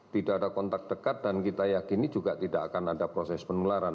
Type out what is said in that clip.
tidak ada kontak dekat dan kita yakini juga tidak akan ada proses penularan